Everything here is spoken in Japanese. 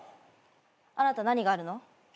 あなた何があるの？